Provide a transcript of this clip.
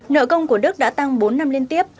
nợ công của đức đã tăng bốn năm liên tiếp